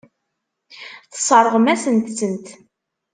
Tesseṛɣem-asent-tent.